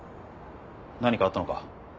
何かあったのか？